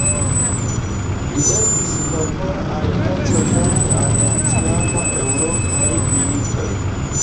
Li estis favora al paco rilate al la tiamaj eŭropaj militoj.